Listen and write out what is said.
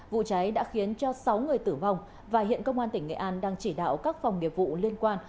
vụ cháy đã khiến cho sáu người tử vong và hiện công an tỉnh nghệ an đang chỉ đạo các phòng nghiệp vụ liên quan